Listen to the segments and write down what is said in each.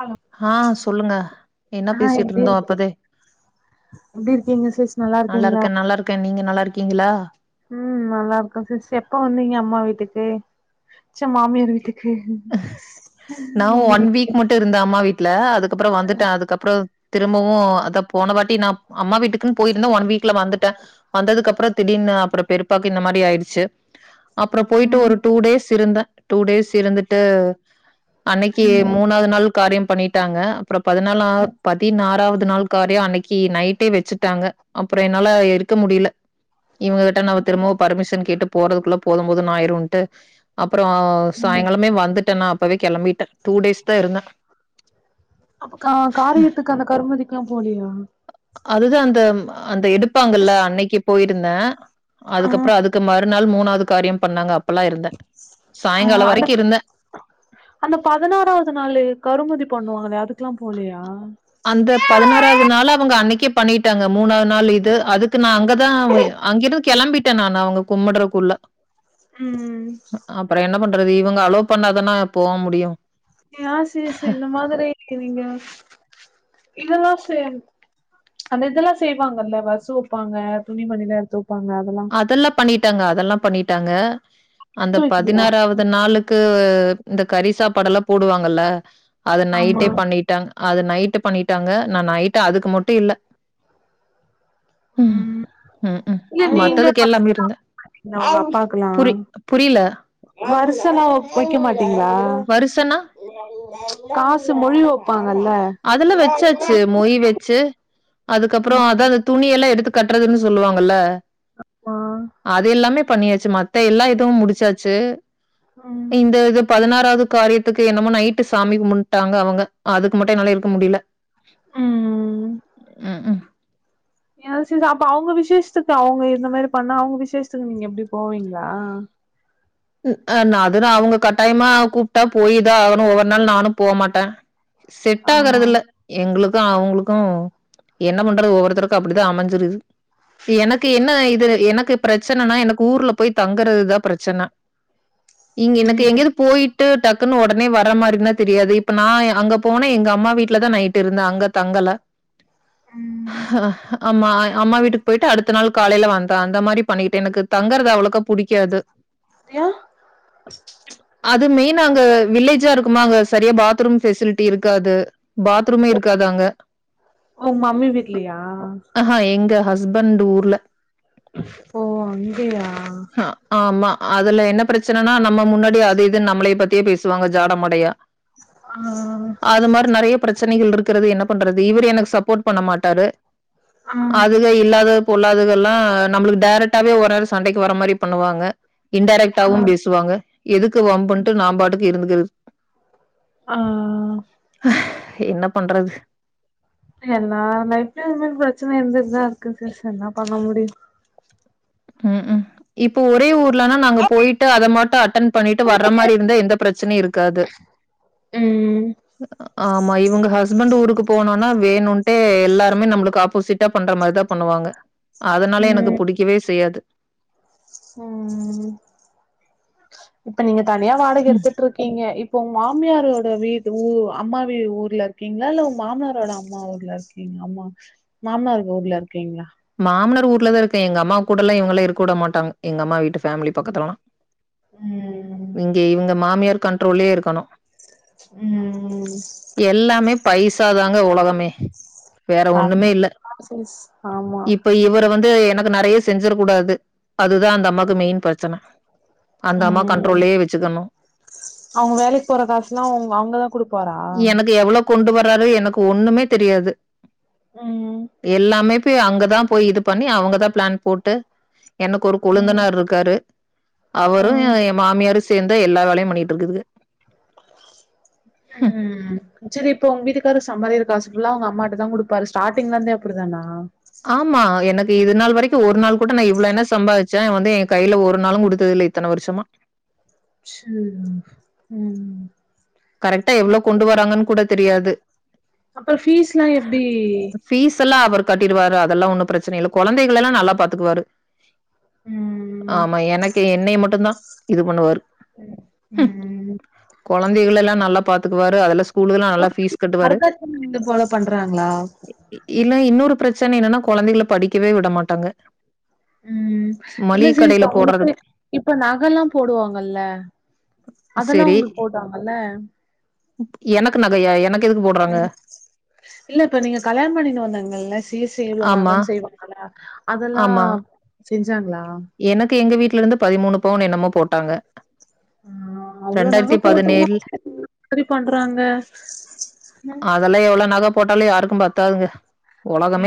Hello ஆ சொல்லுங்க என்ன பேசிட்டு இருந்தோம் அப்பதே எப்பிடி இருக்கீங்க சிஷ் நல்லா இருக்கீங்களா இருக்கே நல்லா இருக்கே நீங்க நல்லா இருக்கீங்களா ம் நல்லா இருக்க சிஸ்டர் எப்ப வந்தீங்க அம்மா வீட்டுக்கு ச மாமியார் வீட்டுக்கு ம் ம் ம் ம் ம் நா ம் அவுங்க ஒன் வீட்டுக்கு வீக் மட்டு இருந்தே அம்மா வீட்ல அதுக்கப்பறம் வந்துட்ட அதுக்கப்பறம் திரும்பவும் அத போன வாட்டி நான் அம்மா வீட்டுக்குன்னு போயிருந்தேன் ஒன் வீக்ல வந்துட்டேன் வந்ததுக்குப்பறம் திடீர்னு அப்பறம் பெரிப்பாக்கு இந்த மாரி ஆயிடுச்சு அப்பறம் போயிட்டு ம் ஒரு டூ டேஸ் இருந்த டூ டேஸ் இருந்துட்டு அன்னிக்கு ம் மூணாவது நாள் காரியம் பண்ணிட்டாங்க அப்பறம் பதினாலு பதினாறாவது பத்து நாள் காரியம் அன்னிக்கு நைட்டே வச்சுட்டாங்க அப்பறம் என்னால இருக்க முடியல இவுங்ககிட்ட நம்ம திரும்பவும் பர்மிஷன் கேட்டு போறதுக்குள்ள போதும் போதுன்னு ஆயிரும்ட்டு அப்பறம் ம் சாயங்காலமே வந்துட்டேன் நான் அப்பவே களம்பிட்டேன் டூ டேஸ் தான் இருந்தேன் அக்கா காரியத்துக்கு அந்த கருமதிக்கெல்லாம் போலியா அதுதான் அந்த அந்த எடுப்பாங்கல்ல அன்னிக்கு போயிருந்தேன் ஆ அதுக்கப்பறம் அதுக்கு மாதி நாள் மூணாவது காரியம் பண்ணாங்க அப்ப அ அந்த இருந்தேன் அந்த பதினாறாவது நாலு கருமாதி பண்ணுவாங்களா அதுக்கெல்லாம் போலையா அந்த பதினாறாவது நாள் அவுங்க அன்னிக்கு பண்ணிட்டாங்க மூணாவது நாள் இது அதுக்கு நான் அங்கதான் அங்கிருந்து களம்பிட்டேன் நான் அவுங்க கும்பிடுறதுக்குள்ள ம் அது இவுங்க அலோ ஆ சரி சரி இந்த மாரி இருக்கு நீங்க இதெல்லாம் சே அந்த இதெல்லாம் செய்வாங்கல்ல வசு வைப்பாங்க துணிமணில எடுத்து வப்பாங்க அதெல்லா அதெல்லாம் பண்ணிட்டாங்க அதெல்லாம் பண்ணிட்டாங்க அந்த எடுத்து வக்கிலியா பதினாறாவது நாளுக்கு இந்த கறி சாப்பாடு எல்லாம் போடுவாங்கல்ல அது ஆமா நைட்டே பண்ணிட்டாங்க அது நைட்டு பண்ணிட்டாங்க நான் நைட்டு அதுக்கு மட்டும் இல்ல ம் ம் ம் இல்ல நீங்க மத்ததுக்கு எல்லாமே இருந்தேன் புரி புரியல வரிச எல்லாம் வைக்க மாட்டீங்களா வருசன்னா? காச மறவ அதெதல்லாம் வச்சாச்சு மொய் வச்சு அதுக்கப்பறம் அதான் அந்த துணிய எல்லாம் எடுத்து கட்டுறதுன்னு சொல்லுவாங்கல்ல ஆ அது எல்லாமே பண்ணியாச்சு மத்த எல்லா இதுவும் முடிச்சாச்சு ம் இந்த இது பதினாறாவது காரியத்துக்கு என்னமோ நைட்டு சாமி கும்ட்டாங்க அவுங்க அதுக்கு மட்டும் என்னால இருக்க முடியல ம் ம் ஏ அப்ப அவுங்க விசேஷத்துக்கு அவுங்க இந்த மாரி பண்ணா அவுங்க விசேஷத்துக்கு நீங்க எப்பிடி போவீங்களா ஆ நான் அதுதான் அவுங்க கட்டாயமா கூப்பிட்டா போயுதா ஆகணும் ஒவ்வொரு நாள் நானும் போகமாட்டேன் செட் ஆ ஆகறது இல்ல எங்களுக்கு அவுங்களுக்கும் என்ன பண்றது ஒவ்வொருத்தருக்கும் அப்பிடிதான் அமைஞ்சிருது எனக்கு என்ன இது எனக்கு பிரச்சனனா எனக்கு ஊர்ல போய் தங்குறதுதான் பிரச்சனை இங்க எனக்கு ம் எங்கையாது போயி டக்குன்னு ஒடனே வர மாரி தெரியாது இப்ப நான் அங்க போன எங்க அம்மா வீட்ல தான் நைட் இருந்தே அங்க தங்க அல்ல ம் ஹ ஆமா அம்மா வீட்டுக்கு போயிட்டு அடுத்த நாள் காலையில வந்தாங்க அந்த மாரி பண்ணிட்டேன் எனக்கு தங்கறது அவ்ளுக்கு புடிக்காது யா அது மெய்னா அங்க வில்லேஜா இருக்குமா அங்க சரியா பாத்ரூம் ஃபெசிலிட்டி இருக்காது பாத்ரூமே இருக்காது அங்க உங்க மம்மி வீட்லயா அ ஹா எங்க ஹஸ் ஸ்பண்டு ஊர்ல ஓ அங்கேயா அதுலா என்ன ப்ரச்சனன்னா நம்ம முன்னாடி அது இதுன் நம்ளய பத்தியே பேசுவாங்க ஜாட மாடையா ஆ ஆ ச்சனைகள் இருக்குறது என்ன பண்றது இவரு எனக்கு சப்போட் பண்ண மாட்டாரு ஆ அதுக இல்லாத பொல்லாதுகள்லா நம்மளுக்கு டேரெக்ட்டாவே ஒரு நேரொ சண்டைக்கி வர மாரி பண்ணுவாங்க ஆ இன்டேரக்டவும் பேசுவாங்க எதுக்கு வம்புன்ட்டு நா பாட்டுக்கு இருந்துக்குற ஆ என்ன பண்றது எல்லா லைஃப்லயு இது மாரி ப்ரச்சன இருந்துட்டுதா இருக்குது ச என்னா பண்ண முடியு. ம் ம் இப்ப ஒரே ஊர்லனா நாங்க போயிட்டு அத மாட்டு அட்டன் பண்ணிட்டு வர்ற மாரி இருந்தா எந்த பிரச்சனையு இருக்காது ம் ஆமா இவங்க ஹஸ்பண்ட் ஊருக்கு போனோனா வேணுன்டே எல்லாருமே நம்மளுக்கு ஆப்போசிட்டா பண்ற மாரிதா பண்ணுவாங்க அதனால எனக்கு ம் புடிக்கவே செய்யாது. ம் இப்ப நீங்க தனியா வாடகை ம். எடுத்துட்டு இருக்கீங்க இப் இப்ப உங்க மாமியாரோட வீட்டு ஊ அம்மா ஊர்ல இருக்கீங்களா இல்ல உங்க மாமியாரோட அம்மா ஊர்ல இருக்கீங் ஆமா மாமனர்ங்க ஊர்ல இருக்கீங்ளா மாமனார் ஊர்லதா இருக்கே எங்க அம்மா கூடலா இவங்கல்லா இருக்க வுட மாட்டாங்க எங்க அம்மா வீட்டு ஃபேமிலி பக்கத்துலலா ம் இங்க இவங்க மாமியார் கண்ட்ரோல்லயே இருக்கணு ம் எல்லாமே பைசாதாங்க உலகமே வேற ஒண்ணுமே இல்ல. சரிதா சிஸ் ஆமா இப்ப இவரு வந்து எனக்கு நறைய செஞ்சிட கூடாது அதுதா அந்த அம்மாக்கு மெயின் பிரச்சன அந்த அம்மா ம், கண்ட்ரோல்லயே வச்சுக்கணும். அவங்க வேலைக்கு போற காசுல்லா அவங்க அங்கதா குடுப்பாரா எனக்கு எவ்வளோ கொண்டு வர்றாரு எனக்கு ஒண்ணுமே தெரியாது ம் எல்லாமே போய் அங்கதா போய் இது பண்ணி அவங்கதா பிளான் போட்டு எனக்கு ஒரு ம் கொழுந்தனார் இருக்காரு அவரு ம் எ மாமியாரு சேந்துதா எல்லா வேலையு பண்ணிட்டு இருக்குதுக ம், சரி இப் ப உங்க வீட்டுக்காரு சம்பாதிக்ற காசு ஃபுல்லா அவங்க அம்மாகிட்டதா குடுப்பாரு ஸ்டாட்டிங்ல இருந்தே அப்டிதானா இப்ப இது நாள் வரைக்கு ஒரு நாள் கூட நா இவ்ளோ என்ன சம்பாதிச்சே வந்து என் கையில ஒரு நாளும் குடுத்தது இல்ல இத்தன வருஷமா சேரி, ம் கரெக்டா எவ்வளோ கொண்டு வராங்கன்னு கூட தெரியாது அப்ப ஃபீஸ்லா எப்டி எல்லா அவரு கட்டிடுவாரு அதெல்லா ஒன்னும் ப்ரச்சன இல்ல கொழந்தைகளல்லா நல்லா பாத்துக்குவாரு ம் ஆமா எனக்கு என்னைய மட்டுந்தா இது பண்ணுவாரு ம் ம் ம் கொழந்தைகளெல்லா நல்லா பாத்துக்குாரு அதல்லா ஸ் கூலெல்லா அல்லா ஃபீஸ் கட்டுவாரு வரதட்சண இது போல பண்றாங்களா இல்ல இன்னொரு ப்ரச்சன என்னன்னா கொழந்தைகள படிக்கவே விட மாட்டாங்க ம் இல்ல மளிகை சிஸ் கடையில அவங்களுக்கு போடுறதுக்கு இப்ப நகல்லா போடுவாங்கல்ல அதெல்லா சரி. உங்களுக்கு போடாங் எனக்கு நகையா எனக் ம் இல்ல இப்ப நீங்க கல்யாணம் பண்ணினு வந்தாங்கல்ல சீர் செய் இவ்ளோ ஆமா, நகன் செய்வாங்கல்ல அதெல்லா ஆமா. செஞ்சாங்ளா எனக்கு எங்க வீட்லருந்து பதிமூணு பவனு என்னமோ போட்டாங்க ஹ அவ்ளோ நக போ [unintelligible] பண்றாங்க அதெல்லாம் எவ்ளோ [unintelligible] யாருக்கும் பத்தாதுங்க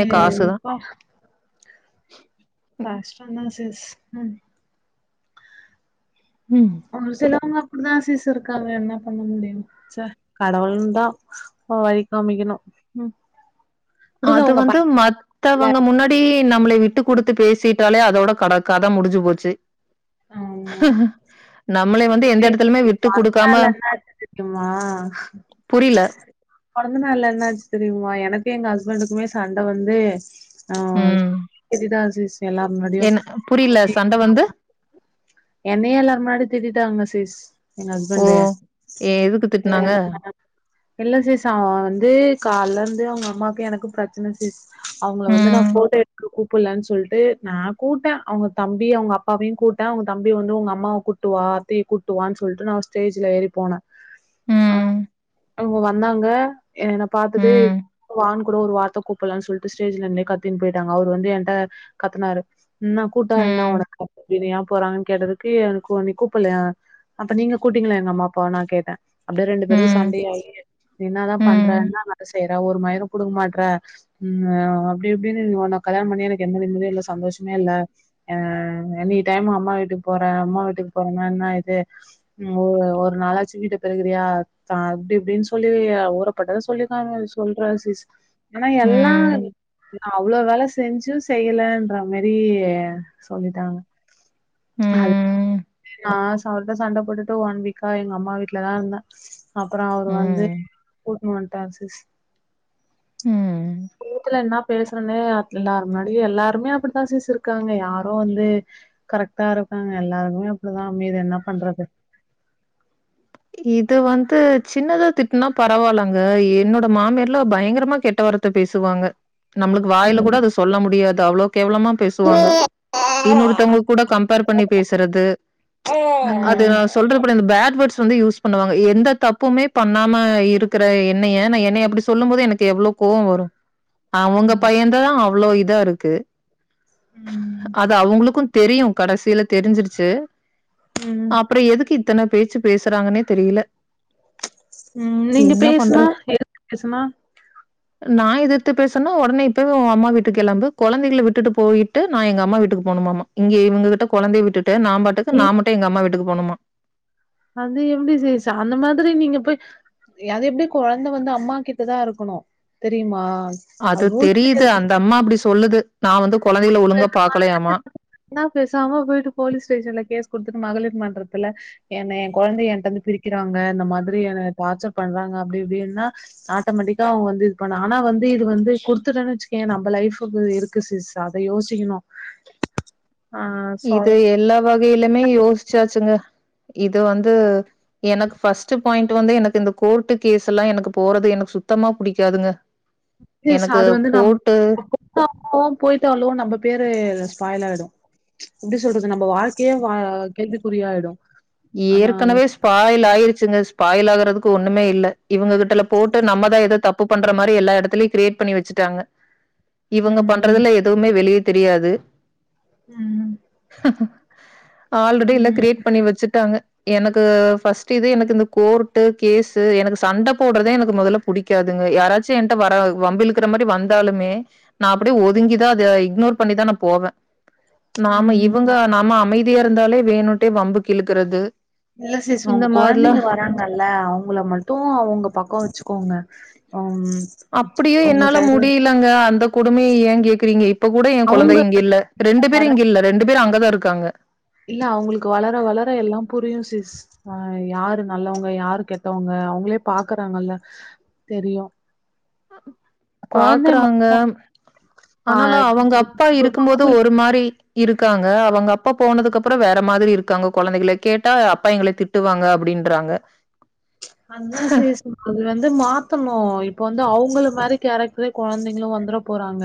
ஏ காசுதான் [unintelligible] உம் ம். ஒ சிலவங்க அப்டிதா சீஸு இருக்காங்க என்ன பண்ண முடியும் ச்ச கடவுள் தான் வழி காமிக்கணும் ம் குடுங்க அது உங்க வந்து பையனுக்குல மத்தவங்க முன்னாடி நம்மளை விட்டு விட்டு கொடுத்து பேசிட்டாலே அதோட கட கத முடிஞ்சு போச்சு நம்மளை வந்து எந்த சி இடத்துலயுமே விட்டு மறுநா குடுக்காம என்னாச்சு தெரியுமா புரியல. புறந்த நாள்ள என்னாச்சு தெரியுமா எனக்கு எனக்கும் எங்க ஹஸ்பண்டுக்குமே சண்ட வந்து ஆஹ் ம். எதான் [unintelligible] எல்லார் முன்னாடியும் என்ன புரியல சண்டை வந்து என்னையே எல்லார் முன்னாடிய திட்டிடாங்க சிஸ் எங்க ஓ! ஹஸ்பண்ட எதுக்கு திட்டுனாங்க? இல்ல சிஸ் அவே வந்து கால்லருந்தே அவங்க அம்மா ம், [unintelligible] சொல்லிட்டு நான் கூட்டேன் அவங்க தம்பி அவங்க அப்பாவையும் கூட்டேன் அவங்க தம்பி வந்து உங்க அம்மாவை கூட்டுவா அத்தையை கூட்டுவான்னு சொல்லிட்டு நான் ஸ்டேஜ்ல ஏறி போனேன் அ ம், அவங்க வந்தாங்க என்ன பாத்துட்டு ம், வானு கூட ஒரு வார்த்தை கூப்பல்லனு சொல்லிட்டு ஸ்டேஜ்லருந்தே கத்தின்னு போயிட்டாங்க அவரு வந்து என்ட கத்னாரு என்ன கூட்டா என்ன ம், உனக்கு ஏன் போறாங்க க்க அ [unintelligible] குப்பலைய அப்ப நீங்க கூட்டிங்கலாம் எங்க அம்மா அப்பாவ நான் கேட்டேன் அப்படியே ரெண்டு ம், பேரும் ம், சண்டையாகி என்ன தான் ம், பண்றனா செய்யற ஒரு! ! ! ! ! ! மாட்டற உம் அப்டி இப்டின்னு உன்ன கல்யாண பண்ணி எனக்கு எந்த நிம்மதியு இல்ல சந்தோஷமே இல்ல ஆ எனி டைம் அம்மா வீட்டு போறேன் அம்மா வீட்டுக்கு போறேனா என்ன இது உ ஒரு நாளாச்சும் வீட்டை பெருக்குறியா அப்டி இப்டின்னு சொல்லி ஊரப்பட்டதான் சொல்லி த சொல்ற சீஸ் ஆனா எல்லாம் ம், அவ்ளவு வேலை செஞ்சும் செய்யலன்ற மாரி சொல்லிட்டாங்க அ ம், நான் [unintelligible] சண்டை போட்டுட்டு ஒன் வீக்கா எங்க அம்மா வீட்டுலதான் இருந்தேன் அப்புறம் அவரு வந்து கூட்டுட்டு வன்டா சிஸ் ம். [unintelligible] என்ன பேச [unintelligible] எல்லாரு முன்னாடியும் எல்லாருமே அப்படித்தான் சிஸ் இருக்காங்க யாரோ வந்து கரெக்டா இருக்காங்க எல்லாருக்குமே அப்படிதான் அமையுது என்ன பண்றது இது வந்து சின்னதா திட்டுனா பரவாயில்லாங்க என்னோட மாமியார்லாம் பயங்கரமா கெட்ட வார் த்தை பேசுவாங்க நம்மளுக்கு வாயில கூட அத சொல்ல முடியாது அவ்வளோ கேவலமா பேசுவாங்க ம் இன்னொருத்தவங்க கூட கம்பேர் பண்ணி பேசுறது அது நான் சொல்ற [unintelligible] இந்த பேட்வர்ட்ஸ் வந்து யூஸ் பண்ணுவாங்க எந்த தப்புமே பண்ணாம இருக்கிற எண்ணய நான் என்ன அப்படி சொல்லும் போது எனக்கு எவ்வளவு கோவம் வரும் அவங்க ஆமா பையன தான் அவ்ளோ இதா இருக்கு ம் அது அவங்களுக்கும் தெரியும் கடைசியில தெரிஞ்சிருச்சு ம் அப்புறம் எதுக்கு இத்தன பேச்சு பேசுறாங்கன்னே தெரியல உம் நீங்க என்ன பேசுனா பண்றது? எதுக்கு பேசமா நான் எதித்துபேசுனா உடனே இப்பவே உங்க அம்மாவீட்டுக்கு கெளம்பு கொழந்தகள விட்டு போயிட்டு நான் எங்க அம்மா வீட்டுக்கு போனும் ஆமா ஆமா இங்க இவங்ககிட்ட கொழந்தைய விட்டுட்டு நம்பாட்டுக்கு நீ நாமட்டும் எங்க அம்மா வீட்டுக்கு போனுமா அது எப்டி சிஸ் அந்த மாதிரி நீங்க போய் அது எப்டி கொழந்த வந்து அம்மா கிட்டதா இருக்கணு தெரியுமா அது ரூல்ஸ்லே தெரியுது இருக்குது அந்த அம்மா அப்டி சொல்லுது நா வந்து குழந்தைகள ஒழுங்கா பாக்கலையாமா. பேசாம போயிட்டு போலீஸ் ஸ்டேஷன்ல கேஸ் குடுத்துட்டு மகளிர் மன்றத்துல என்ன ஏ கொழந்தைய என்டெருந்து பிரிக்கிறாங்க இந்த மாதரி என்ன டார்ச்சர் பண்றாங் க அப்டி இப்டின்னா ஆட்டோமேட்டிக்கா அவுங்க வந்து இது பண்ண ஆனா வந்து இது வந்து குடுத்துட்டோனு வச்சக்கயே நம்ம லைஃப் இருக்கு சிஸ் அத யோசிக்கணு ஆ இது சொல் எல்லா வகையிலுமே யோசிச்சாச்சுங்க இது வந்து எனக்கு ஃபர்ஸ்ட் பாயிண்ட் வந்து எனக்கு இந்த கோர்ட்டு கேஸ்யெல்லா எனக்கு போறது எனக்கு சுத்தமா புடிக்காதுங்க சிஸ் எனக்கு அது வந்து நம் கோர்ட்டு [inaudible] போயிட்டாலு நம்ம பேரு ஸ்பாயிலாயிடு எப்டி சொல்றது நம்ம வாழ்க்கையே வ கேள்விக்குறியாயிடு ஆனா அது ஏற்கனவே ஸ்பாயில் ஆயிருச்சுங்க ஸ்பாயில் ஆகுறதுக்கு ஒண்ணுமே இல்ல இவுங்க கிட்டல போட்டு நம்மதா எதோ தப்பு பண்ற மாரி எல்லா எடத்துலயு கிரியேட் பண்ணி வச்சுட்டாங்க இவுங்க ம் பண்றதுல எதுமே வெளிய தெரியாது ம் ஆல்ரெடி எல்லா கிரியேட் ம் பண்ணி வெச்சுட் டாங்க எனக்கு ஃபஸ்ட்டு இது எனக்கு இந்த கோர்ட்டு கேஸ்ஸு எனக்கு சண்ட போடுறதே எனக்கு மொதல்ல பு டிக்காதுங்க யாராச்சு என்ட்ட வர வம்பு இலுக்குற மாரி வந்தாலுமே நா அப்டியே ஒதுங்கிதா அத இக்னோர் பண்ணிதா நா போவே நாம இவுங்க ம் நாம அமைதி யா இருந்தாலே வேணுட்டே வம்புக்கு இழுக்குறது இல்ல சிஸ் உங்க கொழந்தைங்க வராங்கல்ல அவுங்கள மட்டு அ உங்க பக்கோ வச்சு கோங்க அப்டியு என்னால முடியலங்க அந்த கொடுமைய ஏ கேக்குறீங்க இப்ப கூட என் கொழந்தை அவங்க இங்க இல்ல ரெண்டு பேரு வர இங்க இல்ல ரெண்டு பேரு அங்கதா இருக்காங்க இல்ல அவுங்களுக்கு வளர வளர எல்லா புரியு சிஸ் ஆ யாரு நல்லவாங்க யாரு கெட்டவாங்க அவுங்களே பாக்குறாங்கல்ல தெரியு கொழந்தை ம பாக்குறாங்க ஆனாலு அவுங்க அப்பா இருக்கு போது பா- ஒரு மாரி இருக் காங்க அவுங்க அப்ப போனதுக்கு அப்றோ வேற மாரி இருக் காங்க கொழந்தைகளே கேட்டா அப்பா எங்கள திட்டுவாங்க அப்டின்றாங்க அதுதா சிஸ் அது வந்து மாத்தணு இப்ப வந்து அவுங்கள மாரி கேரக்டரே கொழந்தைங்களு வந்துட போறாங்க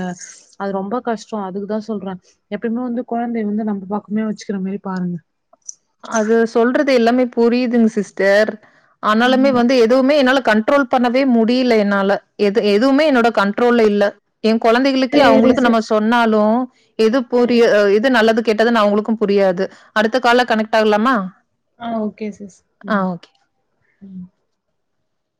அது ரொம்ப கஷ்டோ அதுக்குதா சொல்றே எப்யுமே வந்து கொ ழந்தைய வந்து நம்ப பக்கமே வச்சுக்கிற மாரி பாருங்க அது சொல்றது எல்லாமே புரியுதுங் சிஸ்டர் ஆனாலுமே ம் வந்து எதுவுமே என்னால கண்ட்ரோல் பண்ணவே முடியில என்னால எது எதுவுமே என்னோட கண்ட்ரோல்ல இல்ல என் கொழந்தைகளுக்கே சேரி அவுங்களுக்கு நம்ம சிஸ் சொன்னாலு எது புரிய எது நல்லது கெட்டதுன்னு அவுங்களுக்கு புரியாது அடுத்த கால்ல கனெக்ட் ஆகலாமா ஆ ஓகே சிஸ் ஆ ம் ஓகே. ம்